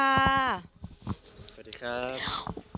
สวัสดีครับ